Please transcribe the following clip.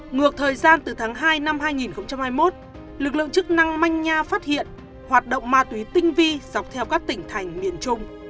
ngược thời gian từ tháng hai năm hai nghìn hai mươi một lực lượng chức năng manh nha phát hiện hoạt động ma túy tinh vi dọc theo các tỉnh thành miền trung